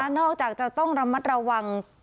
นอกจากจะต้องระมัดระวัง